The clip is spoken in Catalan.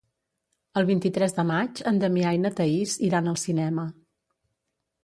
El vint-i-tres de maig en Damià i na Thaís iran al cinema.